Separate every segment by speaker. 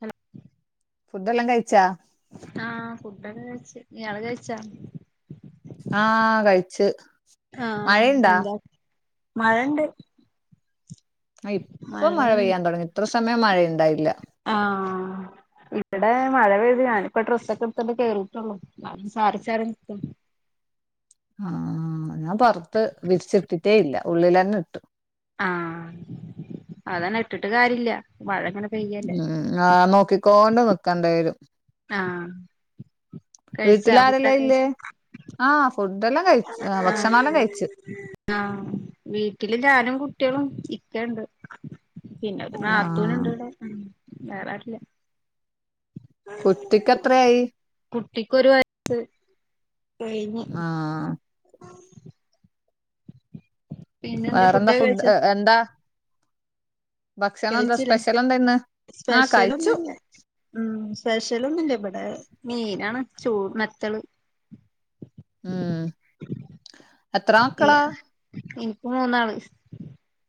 Speaker 1: Hello [unintelligible]
Speaker 2: ഫുഡെല്ലാം കഴിച്ചാ
Speaker 1: ആഹ് ഫുഡൊക്കെ കഴിച്ച് ഇയാള് കഴിച്ചാ
Speaker 2: ആഹ് കഴിച്ച്
Speaker 1: ആഹ്
Speaker 2: മഴയുണ്ടാ
Speaker 1: എന്താ മഴണ്ട്
Speaker 2: ആഹ് ഇപ്പം മഴ
Speaker 1: മഴേണ്
Speaker 2: പെയ്യാൻ തൊടങ്ങി ഇത്ര സമയം മഴയുണ്ടായില്ല
Speaker 1: ആഹ് ഇവിടെ മഴ പെയ്ത് ഞാനിപ്പോ ഡ്രസ്സൊക്കെ എടുത്ത് ണ്ട് കേറിയിട്ടുള്ളൂ മഴ സാരി ചാറി നിക്ക്ണ്
Speaker 2: ആഹ് ഞാൻ പൊറത്ത് വിര്ച്ചിട്ടിട്ടേ ഇല്ല ഉള്ളിലെന്നെ ഇട്ടു
Speaker 1: ആഹ് അതന്നെ ഇട്ടിട്ട് കാര്യല്ല മഴ ഇങ്ങനെ പെയ്യല്ലേ
Speaker 2: ഉം ആഹ് നോക്കിക്കോണ്ട് നിക്കണ്ടെരും
Speaker 1: ആഹ് കഴിച്ചാ
Speaker 2: വീട്ട്ല്
Speaker 1: ഫുഡൊക്കെ
Speaker 2: ആരെല്ലാം
Speaker 1: കഴിച്ച
Speaker 2: ഇല്ലേ ആഹ് ഫുഡ്ഡെല്ലാം കഴിച്ച് ഭക്ഷണല്ലാം
Speaker 1: ആഹ്
Speaker 2: കഴിച്ച്
Speaker 1: ആഹ് വീട്ടില് ഞാനും കുട്ടിയെളും ഇക്കയ്ണ്ട് പിന്നെഒര്
Speaker 2: ആഹ്
Speaker 1: നാത്തൂന്ണ്ട് ഇവിടെ ഉം വേറെആരുല്ല
Speaker 2: കുട്ടിക്ക് എത്രയായി
Speaker 1: കുട്ടിക്കൊര് വയസ് കെഴ്‌ഞ്ഞ്
Speaker 2: ആഹ്
Speaker 1: [inaudible] പിന്നെ എന്താ
Speaker 2: വേറെന്താ
Speaker 1: ഫുഡൊക്കെ
Speaker 2: ഫുഡ്
Speaker 1: കഴിച്ചോ
Speaker 2: എ എന്താ ഭക്ഷണം എന്താ
Speaker 1: കെഴ്‌ച്ച്ല്ലേ
Speaker 2: സ്പെഷ്യൽ എന്താ ഇന്ന് ആഹ് കഴിച്ചു
Speaker 1: സ്പെഷലൊന്നുല്ല. ഉം. സ്പെഷ്യല്ഒന്നുല്ല. ബടെ മീനാണ് ചൂട് മെത്തള്. [inaudible]
Speaker 2: ഉം എത്ര മക്കളാ
Speaker 1: ഇൻക്ക് മൂന്നാള്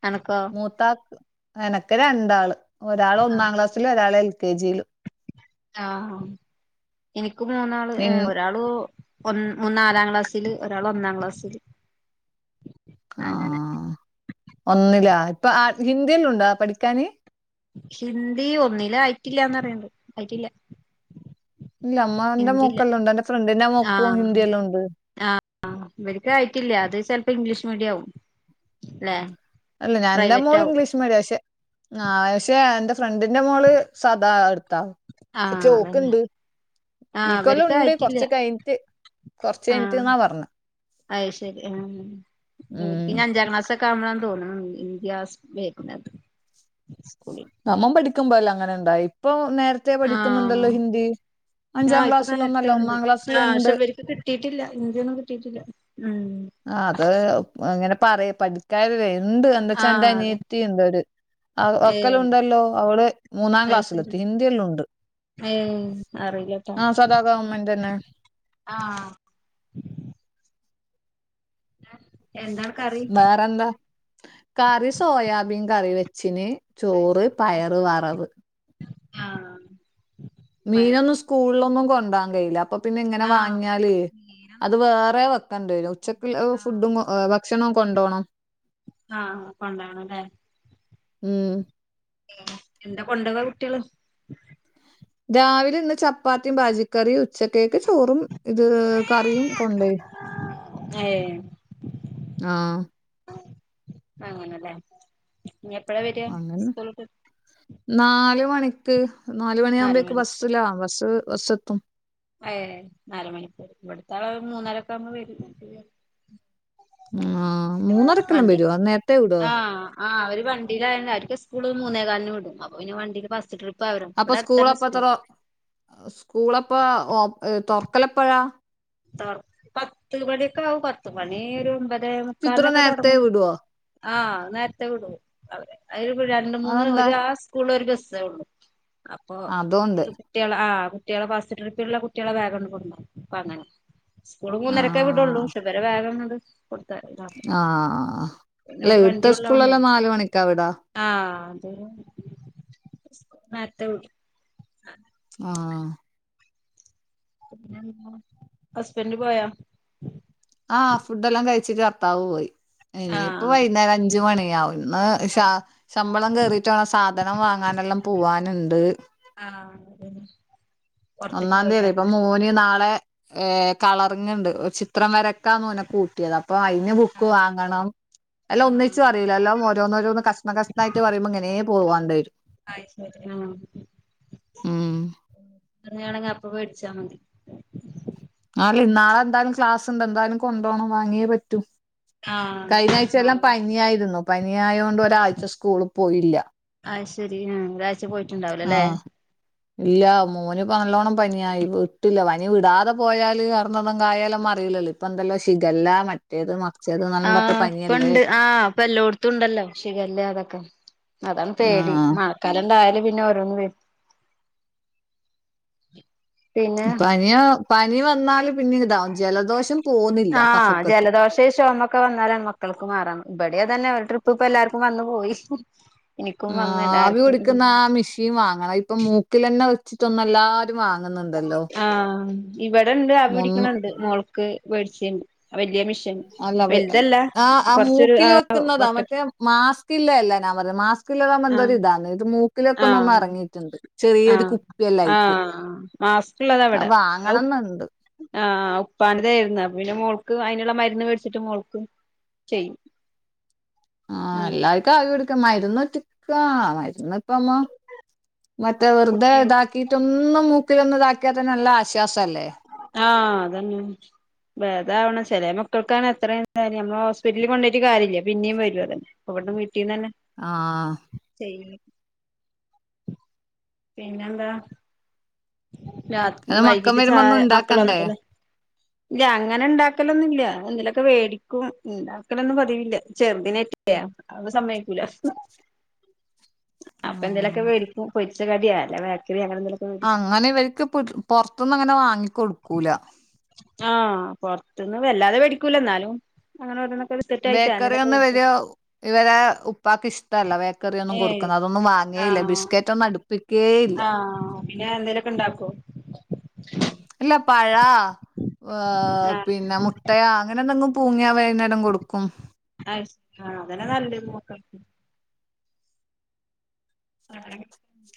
Speaker 1: അണക്കോ
Speaker 2: മുത്താ ക് എനക്ക് രണ്ടാള്. ഒരാൾ ഒന്നാം ക്ലാസ്സില്, ഒരാള് എൽ കെ ജി ലും.
Speaker 1: ആഹ് ഇനിക്ക് മുന്നാള്
Speaker 2: നിൻ
Speaker 1: ഒരാള് ഒ മൂന്നാനാലാം ക്ലാസ്സില്, ഒരാള് ഒന്നാം ക്ലാസ്സില്. അങ്ങനെ
Speaker 2: ആഹ് ഒന്നിലാ ഇപ്പൊ ആ ഹിന്ദിയെല്ലം ഉണ്ടാ പഠിക്കാന്.
Speaker 1: ഹിന്ദി ഒന്നില് ആയിട്ടില്ലാന്ന് അറിണ് ണ്ട് ആയിട്ടില്ല.
Speaker 2: ഇല്ല അമമാന്റെ
Speaker 1: ഹിന്ദില്ല
Speaker 2: മോക്കെല്ലാം ഉണ്ട്. എന്റെ ഫ്രണ്ടിന്റെ മോക്കു ഹിന്ദിയെല്ലാം ഉണ്ട്.
Speaker 1: ആ ഇവർക്ക് ആയിട്ടില്ല. അത് ചെലപ്പോ ഇംഗ്ലീഷ് മീഡിയം ആവും, അല്ലെ?.
Speaker 2: അല്ല ഞ എന്റെ മോള് ഇംഗ്ലീഷ് മീഡിയ പക്ഷെ ആ പക്ഷെ എ ഫ്രണ്ടിന്റെ മോള് സാദാ എടുത്താ പക്ഷേ
Speaker 1: ആഹ് അതന്നെ
Speaker 2: ഓക്ക്ണ്ട്. ഈ
Speaker 1: ആഹ്
Speaker 2: ക്കൊല്ലം
Speaker 1: ഇവർക്ക്
Speaker 2: ഉണ്ട്.
Speaker 1: ആയിട്ടില്ല
Speaker 2: കുറച്ച് കഴിഞ്ഞിട്ട് കുറച്ച് കഴിഞ്ഞട്ട് എന്നാ പറഞ്ഞ്.
Speaker 1: അ ശരി ഉം
Speaker 2: ഉം
Speaker 1: പിന്നെ അഞ്ചാം ക്ലാസ് ഒക്കെ കാവണന്ന് തോന്നുണു ഹിന്ദി സ് വെര്ണത് സ്ക്കു
Speaker 2: നമ്മൾ പഠിക്കുമ്പോ അല്ലാ അങ്ങനെ ഉണ്ടായി ഇപ്പൊ നേരെ ത്തെ
Speaker 1: ആഹ്
Speaker 2: പഠിക്കുന്നുണ്ടല്ലോ ഹിന്ദി. അഞ്ചാം
Speaker 1: ആഹ് ഇപ്പൊ
Speaker 2: ക്ലാസ്സിലൊന്നുംല്ല ഒന്നാം ക്ലാസിലെ ണ്ട്.
Speaker 1: കിട്ടിട്ടില്ല ഹിന്ദി ഒന്നും കിട്ടിയിട്ടില്ല. ഉം
Speaker 2: ആ അത് ഇങ്ങനെ പറയും പഠിക്കാര് ഇണ്ട് എന്താ വച്ചാ എന്റെ
Speaker 1: ആഹ് അതെ
Speaker 2: അനിയത്തിണ്ട്. ആ
Speaker 1: ഏഹ്
Speaker 2: ഒക്കലുണ്ടല്ലോ. അവള് മൂന്നാം
Speaker 1: അത് ശരി
Speaker 2: ക്ലാസ്സിലെത്തി ഹിന്ദില്ല ഉണ്ട്.
Speaker 1: ഏഹ് അറിയില്ലട്ടോ
Speaker 2: ആഹ് സദാ ഗവൺമെന്റ തന്നെ.
Speaker 1: ആഹ് എന്താണ് കറി.
Speaker 2: ന്താ കറി സോയാബീൻ കറി വെച്ചന്.
Speaker 1: അത്
Speaker 2: ചോറ്
Speaker 1: ശരി.
Speaker 2: പയറ് വറവ്.
Speaker 1: ആഹ് പയറ്
Speaker 2: മീനൊന്നും
Speaker 1: കറി.
Speaker 2: സ്കൂളിലൊന്നും കൊണ്ടാൻ കഴിയില്ല. അപ്പൊ പിന്നെ ഇങ്ങനെ
Speaker 1: ആഹ്
Speaker 2: വാങ്ങിയാലേ
Speaker 1: മീനും
Speaker 2: അത് വേറെ വെക്കണ്ടെരും ഉച്ചക്കുള്ള
Speaker 1: ആഹ്
Speaker 2: ഫുഡും ഹ് ഭക്ഷണം കൊണ്ടോണം.
Speaker 1: ആഹ് കൊണ്ടൊണം ല്ലേ
Speaker 2: ഉം
Speaker 1: എന്താ കൊണ്ട് പോവ കുട്ടികള്
Speaker 2: രാവിലെ ഇന്ന് ചപ്പാത്തിയും പാജിക്കറിയും, ഉച്ചക്കേക്ക് ചോറും ഇത് കറിയും കൊണ്ട് പോയി.
Speaker 1: ഏഹ്
Speaker 2: ആഹ്
Speaker 1: അങ്ങനെല്ലേ ഇനി എപ്പഴാ വരിയാ
Speaker 2: അങ്ങനെ
Speaker 1: സ്കൂൾ വിട്ട്
Speaker 2: നാല് മണിക്ക്, നാലുമണി
Speaker 1: നാല്
Speaker 2: ആകുമ്പേഴക്ക്
Speaker 1: മണി
Speaker 2: ബസ്സിലാ ബസ് ബസ് എത്തും.
Speaker 1: ഏഹ് നാല് മണിക്കൂർ ഇവിടുത്ത ആള് മൂന്നരൊക്കെ അകുമ്പ വരും.
Speaker 2: ഉം മൂന്നരക്കെല്ലാം
Speaker 1: വണ്ടി
Speaker 2: വരോ? നേരത്തെേ വിടോ.
Speaker 1: ആഹ് ആഹ് അവര് വണ്ടിലായൊണ്ട് അവര്ക്ക് സ്കൂൾ മൂന്നേ കാലിന് വിടും അപ്പൊ വണ്ടില് ഫസ്റ്റ് ട്രിപ്പ് അവരും
Speaker 2: അപ്പൊ
Speaker 1: ഇവിടെ
Speaker 2: സ്കൂള്
Speaker 1: അടുത്തന്നെ
Speaker 2: പ്പ
Speaker 1: സ്കൂൾ
Speaker 2: എത്ര സ്കൂളപ്പ തൊറക്കലപ്പഴാ
Speaker 1: പത്ത് മണിയൊക്കെ ആകും. പത്ത് മണി ഒരു ഒൻമ്പത്
Speaker 2: ഇത്ര
Speaker 1: മുക്കാലിനൊക്കെ
Speaker 2: നേരത്തെ
Speaker 1: തുടങ്ങും.
Speaker 2: വിടുവോ
Speaker 1: ആഹ് നേരത്തെ വിടും അവ അ രണ്ട് മൂന്ന്
Speaker 2: അതെന്താ
Speaker 1: ഒരു ആ സ്കൂള് ഒരു ബസേ ഉള്ളു. അപ്പൊ
Speaker 2: അതോണ്ട്
Speaker 1: കുട്ടികള് ആ കുട്ടികളെ ബസ് ട്രിപ്പുള്ള കുട്ടികളെ വേഗം ടുക്കും അപ്പ അങ്ങനെ സ്കൂള്
Speaker 2: ആ
Speaker 1: മൂന്നരക്കേ വിടുള്ളൂ. പഷേ വരെ വേഗംങ്ങട് കൊടുത്ത
Speaker 2: ആഹ് ആഹ്
Speaker 1: പിന്നെ
Speaker 2: അല്ല
Speaker 1: ഒരു വണ്ടി
Speaker 2: ഇത്തെ
Speaker 1: ഉള്ളോണ്ടേ
Speaker 2: സ്കൂളല്ലാം നാല് മണിക്കാ വിടാ.
Speaker 1: ആഹ് അതെ സ് നേരത്തെ വിടും
Speaker 2: ആഹ്
Speaker 1: ഹസ്ബൻഡ് പോയോ
Speaker 2: ആഹ് ഫുഡ്ല്ലാം കഴിച്ചിട്ട് ബർത്താവ് പോയി ഇനിയിപ്പ
Speaker 1: ആഹ്
Speaker 2: വൈകുന്നേരം അഞ്ച് മണിയാവും ഇന്ന് ഷ
Speaker 1: അയ്ശ്
Speaker 2: ശമ്പളം കേറിട്ട് വണ്ണം സാധനം വാങ്ങാനെല്ലാം പോവാനുണ്ട്
Speaker 1: ആഹ് അതെ
Speaker 2: ഒന്നാം തീയല്ല ഇപ്പൊ മൂന് നാളെ ഏ കളറിങ് ഉണ്ട് ചി ത്രം വരൊക്കാന്ന ഒനെ കൂട്ടിയത് അപ്പൊ അതിന് ബുക്ക്
Speaker 1: ആഹ്
Speaker 2: വാങ്ങണം അല്ലാം ഒന്നിച്ച്
Speaker 1: ആഹ്
Speaker 2: പറില്ല എല്ലാം ഓരോന്ന് ഓരോന്ന് കഷ്ണം കഷ്ണായിട്ട് പറയുമ്പോ ഇങ്ങനെ പോവാണ്ട് വരും
Speaker 1: അയ് ശരി ആഹ
Speaker 2: ഉം
Speaker 1: അങ്ങനെ അണെങ്ക അപ്പ മേടിച്ചാ മതി
Speaker 2: ആഹ ഇന്നാളെ എന്തായാലും ക്ലാസ്ണ്ട് എന്തായാലും കൊണ്ടു പോണം വാങ്ങിയേ പറ്റൂ
Speaker 1: ആഹ്
Speaker 2: കഴിഞ്ഞ ആഴ്ച എല്ലാം
Speaker 1: നാളെ
Speaker 2: പനിയായിരുന്നു പന ആയ കൊണ്ട് ഒരാഴ്ച സ്കൂളിൽ പോയില്ല
Speaker 1: ആഹ് ശരി ഒരാഴ്ച പോയിട്ടുണ്ടാവലോ അല്ലേ
Speaker 2: ആഹ് ഇല്ല മോന് ഇപ്പോ നല്ലോണം പനിയായി ഇട്ടില്ല പനി വിടാതെ പോയാല് കറന്നതും കായാലൊന്നും അറിയില്ലല്ല അപ്പന്തല്ലോ ഷിഗല്ല മറ്റ മറ്റേത് മറിച്ചേത് എന്നെല്ലാം
Speaker 1: ആഹ
Speaker 2: പറഞ്ഞിട്ട് പനിയല്ലേ
Speaker 1: ഇപ്പുണ്ട് ആഹ അപ്പ എല്ലാടത്തും ഉണ്ടല്ലോ ഷിഗല്ല അതൊക്കെ അതാണ് പേടി
Speaker 2: ആഹ്
Speaker 1: മ- കലണ്ടായല് പിന്നെ ഓരോന്ന് വരും പിന്നെ
Speaker 2: പന പനി വന്നാല് പിന്നെ ഇതാവും ജലദോഷം പോന്നില്ല
Speaker 1: ആഹ
Speaker 2: കഫക്കെട്ട്
Speaker 1: ജലദോഷ ശോമ്മ ക്കെ വന്നാലണ് മക്കൾക്ക് മാറണം ഇവിടെയാ തന്നെ അവ ട്രിപ്പ് ഇപ്പ എല്ലർക്കും വന്നു പോയി എനിക്കും വന്നു
Speaker 2: ആവി
Speaker 1: എല്ലാർക്കും ഉം
Speaker 2: പിടിക്കുന്ന ആ മിഷീൻ വാങ്ങണ ഇപ്പൊ മൂക്കിലന്നെ വെച്ചിട്ടൊന്നുംല്ലാ വാങ്ങുന്നുണ്ട്
Speaker 1: ആഹ ഇവിടെണ്ട് അവി
Speaker 2: മുന്ന്
Speaker 1: പിടിക്കണണ്ട് മോളക്ക് പേടിച്ചണ്ട് വലിയ മെഷീ
Speaker 2: അല്ല [unintelligible] ആഹ ആഹ
Speaker 1: ആ
Speaker 2: മൂക്കില് വെക്കുന്നതാ
Speaker 1: വട്ടത്തി
Speaker 2: മറ്റേ മാസ്ക്ല്ല അല്ല ഞാൻ പറ മാസ് മൂക്കിലറുമ്പോ എന്തൊ ഒരു
Speaker 1: ആഹ്
Speaker 2: ഇതാണ് ഇത് മൂക്കിലൊക്കൊ ഒന്നന്ന്
Speaker 1: ആഹ്
Speaker 2: ഇറങ്ങിട്ടുണ്ട് ചെറിയൊരു കുപ്പിയെല്ലാം ആയിട്ട്
Speaker 1: മാസ്ക്ള്ളത അവിടെ ഔ ആഹ ഉപ്പാനതായിരുന്നു പിന്നെ മുൾക്ക് അതിനുള്ള മരുന്ന് മേടിച്ചിട്ട് മുൾക്ക് ചെയ്യും [inaudible]
Speaker 2: ആഹ
Speaker 1: അങ്ങനെ
Speaker 2: എല്ലാവർക്കും ആവി കുടുക്ക മരുന്ന് ഒറ്റിക്ക മരുന്ന് ഇപ്പമ്മ മറ്റേ വെറുതെ
Speaker 1: കുട്ടികൾ
Speaker 2: ഇതാക്കിട്ടൊന്നും മൂക്കിലൊന്ന ഇതാക്കിയാത്തെ നല്ല ആശ്വാസം അല്ലേ
Speaker 1: ആഹ അതന്നെ വേദാവണ ചില മക്കൾക്കാണ് എത്ര എന്താല നമ്മൾ ഹോസ്പിറ്റലിൽ കൊണ്ടോയിട്ട് കാര്യില്ല പിന്നേും വരു അതന്നെ അവിടെന്ന് വീട്ടീന്ന് തന്നെ
Speaker 2: ആഹ
Speaker 1: ചെയ്യ പിന്നെന്താ രാത്
Speaker 2: അത് മക്കം
Speaker 1: വൈകിട്ട് ച
Speaker 2: വരുമ്പോ ഒന്നും
Speaker 1: മക്കൾ
Speaker 2: ഉണ്ടാക്കണ്ടേ
Speaker 1: വന്നിട്ടല്ലേ ഇല്ല അങ്ങനെ ഉണ്ടാക്കലൊന്നുമില്ല എന്തിലൊക്കെ മേടിക്കും [unintelligible] മക്കളൊന്നും പതിവില്ല ചെറുതിനിറ്റയാ അത് സമ്മക്കൂല അപ്പൊ
Speaker 2: ആ
Speaker 1: എന്തേലൊക്കെും പൊച്ചടിയ അല്ലേ ബക്കറി അങ്ങനെ എന്തെലൊക്കെ
Speaker 2: അങ്ങനെ ഇവർക്ക് പുറത്തൊന്നും അങ്ങനെ വാങ്ങി കൊടുക്കൂല
Speaker 1: ആഹ പുറത്തന്ന് വല്ലാതെ പേടിക്കൂല എന്നാലും അങ്ങനെ ഓന്നൊക്കെ
Speaker 2: ബേക്കറിന്ന് വലിയ ഇവരെ ഉപ്പാക്കക്ക് ഇഷ്ടമല്ല ബേക്കറൊന്നും
Speaker 1: ഏഹ്
Speaker 2: കൊടുക്കുന്ന അതൊന്നും വാങ്ങിയില്ല ബിസ്ക്കറ്റ് ഒന്നും അടുക്ക തക്കേ
Speaker 1: ആഹ പിന്നെ എന്തേലുമൊക്കെ ഉണ്ടാക്കോ
Speaker 2: ഇല്ല പഴ ഏഹ
Speaker 1: ആഹ്
Speaker 2: പിന്നെ മു ട്ടയാ അങ്ങനെന്തെങ്കും പൂങ്ങിയ വൈകുന്നേരം കൊടുക്കും
Speaker 1: ആ [unintelligible] ആഹ അതനെ നല്ല നോക്ക [unintelligible]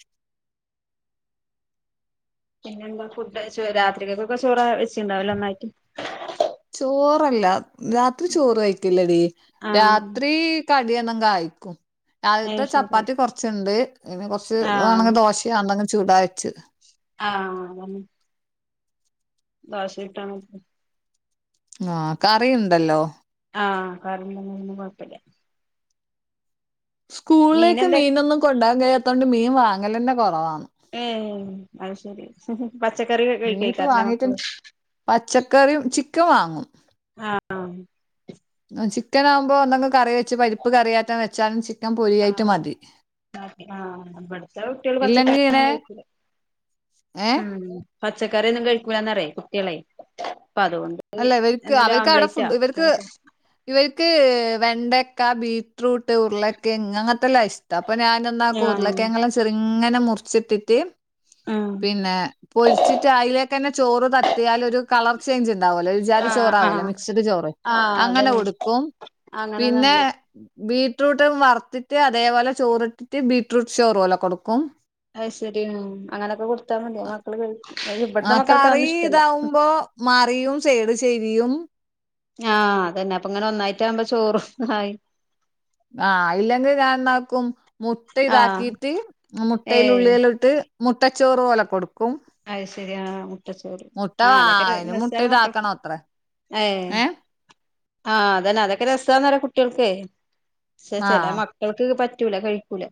Speaker 1: പിന്നെ എന്താ ഫുഡഴിച്ചോ രാത്രികക്കൊക്കെ ചോറ വച്ചിണ്ടാവില്ലോ നന്നായിട്ട്
Speaker 2: ചോറല്ല രാത്രി ചോറ് കഴക്കലടി
Speaker 1: ആഹ്
Speaker 2: രാത്രി കടന്ന കയിക്കും
Speaker 1: അയ്
Speaker 2: അദ്യത്തെ
Speaker 1: ശരി
Speaker 2: ചപ്പാത്തി കുറച്ചുണ്ട് പിന്നെ കുറച്ച്
Speaker 1: ആഹ്
Speaker 2: വേണങ്കി ദോശ ഒണ്ടെങ്കിൽ ചൂട വച്ച്
Speaker 1: ആഹ ബാസ് വക്ട്ടണ
Speaker 2: ആഹ കറിണ്ടല്ലോ
Speaker 1: ആ കാരണം ഒന്നും കുഴപ്പമില്ല
Speaker 2: സ്കൂളിലേക്ക്
Speaker 1: മീനെന്താ
Speaker 2: മീനൊന്നും കൊണ്ടാകാൻ കഴിയാത്തോൊണ്ട് മീൻ വാങ്ങൽ തന്നെ കുറവാണ്
Speaker 1: അത് ശരി പച്ചക്കറി കഴിക്കാക്കരം ലെ മക്കളും
Speaker 2: പച്ചക്കറി ചിക്കൻ വാങ്ങും
Speaker 1: ആഹ്‌
Speaker 2: ചിക്കൻ ആുവുമ്പോ ന്തെങ്കും കറി വെച്ച് പരിപ്പ് കറിയാറ്റൻ വെച്ചാലും ചിക്കൻ പൊരിയായിട്ട്
Speaker 1: ആഹ്‌
Speaker 2: മതി
Speaker 1: ഇബടുത്തെ കുട്ടികള് പച്ചക്കറി
Speaker 2: ഇല്ലെങ്കി ഇങ്ങനെ
Speaker 1: ഒന്നും കഴിക്കൂല
Speaker 2: ഏഹ്
Speaker 1: ഉം പച്ചക്കറിയൊന്നും കഴിക്കൂലന്ന അറിയ കുട്ടികളെ അപ്പ അതുകൊണ്ട്
Speaker 2: അല്ല ഇവർക്ക്
Speaker 1: എന്തേലും
Speaker 2: അവർക്ക് അവിടെ
Speaker 1: ആംപ്ലേറ്റാ
Speaker 2: ഫുഡ് ഇവർക്ക്
Speaker 1: ആഹ്
Speaker 2: ഇവർക്ക് വെണ്ടക്ക ബീട്രൂട്ട് ഉരുളകേങ് അങ്ങനത്തെല്ലാം ഇഷ്ട അപ്പൊ ഞൻ രുലക്കെങ്ങെ ചെറങ്ങനെ മുറിച്ചിട്ടിട്ട്
Speaker 1: ആഹ്
Speaker 2: പിന്നെ പൊരിച്ചിട്ട് അതിലേക്ക് തന്നെ ചോറ് തത്തിയൽ ഒരു കളർ ചേഞ്ച് ഒരു ജാതി ചോർ
Speaker 1: ആഹ് ആഹ്
Speaker 2: ചോറാവല്ലോ മിക്സ്ഡ് ചോറ്
Speaker 1: ആഹ്
Speaker 2: അങ്ങനെ
Speaker 1: അതന്നെ
Speaker 2: കൊടുക്കും
Speaker 1: അങ്ങനെ
Speaker 2: പിന്നെ
Speaker 1: നല്ലത്
Speaker 2: ബീട്രൂട്ട് വറുത്തിട്ട് അതേപോലെ ചോറിട്ടിട്ട് ബീട്രൂട്ട് ചോറ് പോലെ കൊടുക്കും
Speaker 1: അത് ശരി അങ്ങനൊക്കെ കൊടുത്താൽ മതി മക്കൾ കഴിക്കും ഇവിടുത്തെ മക്കൾക്കതൊന്നും ഇഷ്ടല്ല
Speaker 2: മാറിയും സേഡ ശരിയും
Speaker 1: ആഹ് അതന്നെ അപ്പൊ ഇങ്ങനെ ഒന്നായിട്ട ആകുമ്പോ ചോറന്നായി
Speaker 2: ആഹ ഇല്ലെങ്കിൽ ഞാൻ എന്നാക്കും മുട്ട
Speaker 1: ആഹ്
Speaker 2: ഇതാക്കിട്ട് മുട്ടയില
Speaker 1: ഏഹ്
Speaker 2: ഉുള്ളില ഇട്ട് മുട്ടച്ചോറ് പോല കൊടുക്കും
Speaker 1: അത് ശരി ആ മുട്ടച്ചോറ്
Speaker 2: മുട്ട
Speaker 1: ആഹ
Speaker 2: വാ
Speaker 1: അതൊക്കെ
Speaker 2: അയിന് മുട്ട
Speaker 1: നെസാണ് നോക്ക
Speaker 2: ഇതാക്കണം അത്രേ
Speaker 1: ഏ ആഹ അതന്നെ അതൊക്കെ രസാന്നറ കുട്ടികൾക്ക് പക്ഷെ
Speaker 2: ആ
Speaker 1: ചില മ എനക്ക് പറ്റൂല കഴിക്കൂല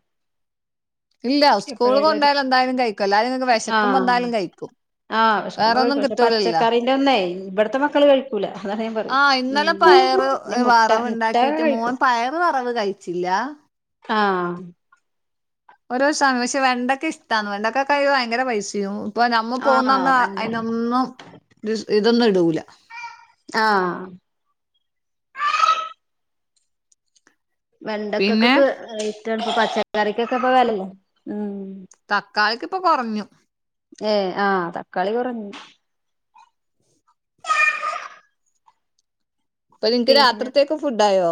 Speaker 2: ഇല്ല സ്കൂള്
Speaker 1: എപ്പഴേലൊരു
Speaker 2: കൊണ്ടായാല എന്തായാലും കഴിക്കും അ നിങ്ങക്ക് വിശക്കുംപ
Speaker 1: ആഹ്
Speaker 2: എന്തായാലും കഴിക്കും
Speaker 1: ആഹ് വെശക്കുമ്പോ
Speaker 2: വേറെൊന്നും
Speaker 1: കഴിക്കും പക്ഷെ
Speaker 2: കിട്ടലല്ല
Speaker 1: പച്ചക്കറിന്റെ ഒന്നേ ഇവിടത്തെ മക്കൾ കഴ ല്ല അ
Speaker 2: ആഹ്‌ ഇന്നലെ പയറ് വറവൂ
Speaker 1: മുട്ട
Speaker 2: ണ്ടാക്കിട്ട് മോൻ
Speaker 1: കഴിക്കും
Speaker 2: പയറ് വറവ് കഴിച്ചില്ല
Speaker 1: ആഹ്‌
Speaker 2: ഓരോ സമയം പക്ഷെ വെണ്ടൊക്കെ ഇഷ്ടന്ന് വെണ്ടക്കെയ് ഭയങ്കര പൈസയും ഇപ്പൊ നമ്മ
Speaker 1: ആഹ്
Speaker 2: പോകുന്നന്ന
Speaker 1: വെണ്ട
Speaker 2: അതിനതിനൊന്നും ഇ ഇതൊന്നും ഇടൂല
Speaker 1: ആ
Speaker 2: പിന്നെ
Speaker 1: വെണ്ടക്കൊക്കെൊക്കെ ഇഷ്ടാണ് ഇ പച്ചക്കറിക്കൊക്കെ ഇ വിലല്ലേ ഉ
Speaker 2: തക്കാളിക്ക് ഇപ്പൊ കുറഞ്ഞു
Speaker 1: ഏ ആ തക്കാളി കുറഞ്ഞ
Speaker 2: അപ്പൊ നിനക്ക്
Speaker 1: പിന്നെ
Speaker 2: രാത്രിത്തേക്ക് ഫുഡ് ആയോ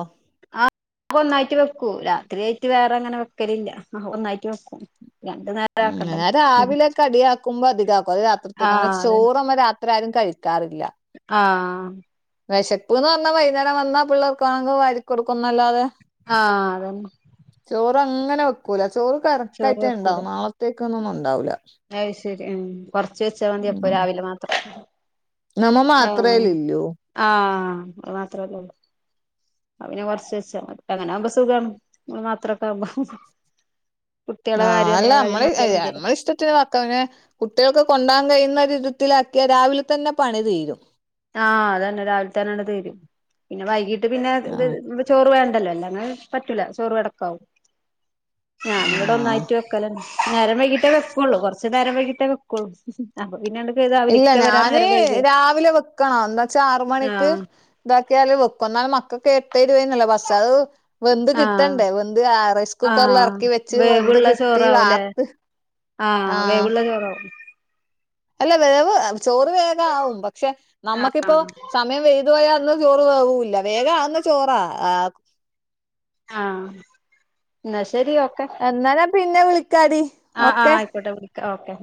Speaker 1: അ ഒന്നായിട്ട് വെക്കൂ രാത്രിയയിട്ട് വേറെ അങ്ങനെ വെക്കലില്ല ഒന്നായിട്ട് വെക്കും രണ്ടു നേരം
Speaker 2: ഉ ഞാൻ
Speaker 1: ആക്കണ്ടല്ലോ
Speaker 2: രാവിലെ കടിയ ആക്കുമ്പോ അധിക ആക്കും അ രാത്രിത്തേക്ക്
Speaker 1: ആഹ്
Speaker 2: ചോറമ്മ അത്രാരും കഴിക്കാറില്ല
Speaker 1: ആഹ്‌
Speaker 2: വിശപ്പ്ന്ന് പറഞ്ഞ വൈകുന്നേരം വന്നാ പിള്ളേർക്ക് അങ്ങ് വാരികൊടുക്കുന്നല്ലാതെ
Speaker 1: ആഹ് അതന്നെ
Speaker 2: ചോറ് അങ്ങനെ വെക്കൂല ചോറ്
Speaker 1: ചോറ് വെക്കൂല
Speaker 2: കറക്റ്റായിട്ടേണ്ടാവും നാളത്തേക്കന്നൊന്നും ഉണ്ടാവൂല്ല
Speaker 1: അത് ശരിയാ കൊറച്ച് വെച്ചാ മതി
Speaker 2: ഉം
Speaker 1: അപ്പൊ രാവിലെ മാത്രം
Speaker 2: നമ്മ
Speaker 1: ആഹ്
Speaker 2: മാത്രേല്ലൂ
Speaker 1: ആഹ് അത് മാത്രല്ല അത് പിന്നെ കുറച്ച വെച്ചാ അങ്ങനൊവുമ്പോ സുഖ മാത്രൊക്കെ ആകുമ്പോ കുട്ടികളെ
Speaker 2: ആഹ്
Speaker 1: കാര്യം
Speaker 2: അല്ല
Speaker 1: കാര്യം
Speaker 2: നമ്മളെ
Speaker 1: നോക്കിയാൽ മതിയല്ലോ
Speaker 2: നമ്മള ഇഷ്ട കുക്ക പിന്നെ കുട്ടികൾക്ക് കൊണ്ടോവാൻ കഴിയുന്ന ഒരുരിധത്തിലാക്കിയാൽ രാവിലെ തന്നെ പണി തീരും
Speaker 1: ആഹ് അതന്നെ രാവിലത്തെ തന്നെയാണ് തീരും പിന്നെ വൈകീട്ട്
Speaker 2: ആഹ്
Speaker 1: പിന്നെ ചോറ് വേണ്ടല്ലോ അല്ല അങ്ങനെ പറ്റൂല ചോറ് വെടക്കാവും ഞ ഇവിടെ
Speaker 2: ആഹ്
Speaker 1: ഒന്നായിറ്റു വെക്കല നേരം വൈകിട്ടേ വെക്കുള്ളൂ കുറച്ച് നേരം വൈകിട്ടേ വെക്കുള്ളൂ അപ്പൊ പിന്നെ
Speaker 2: ഇല്ല ഞാന് രാവിലെ വെക്കണം എന്താ വച്ചാ ആറ് മണിക്ക്
Speaker 1: ആഹ്
Speaker 2: ഇതാക്കിയാല് വെക്ക എന്നാല് മക്ക എട്ടേ ഇരുപതിനല്ലേ ബസ് അത് വെന്ത്
Speaker 1: ആഹ്
Speaker 2: കിട്ടണ്ടേ വെന്ത് റൈസ് കുക്കറിൽ
Speaker 1: ആഹ്
Speaker 2: ഇറക്കി വെച്ച് വെന്ത്
Speaker 1: വേവുള്ള
Speaker 2: കിട്ടി
Speaker 1: ചോറാവൂലേ
Speaker 2: വാർത്ത്
Speaker 1: ആഹ് വേവുള്ള ചോറവും
Speaker 2: അല്ല വേവ് ചോറ് വേഗമാവും പക്ഷെ നമ്മുക്കിപ്പോ സമയം വെയ്തു പോയാൽന്ന് ചോറ് വെവ്വൂല്ല വേഗം ആവുന്ന ചോറാ
Speaker 1: ആഹ് ഇന്നാ ശരി ഒക്കെ
Speaker 2: എന്നാനാ പിന്നെ വിളിക്കാടി
Speaker 1: ആഹ്
Speaker 2: ഓക്കെ
Speaker 1: ആഹ് ആയിക്കോട്ടെ വിളിക്ക ഓക്കെ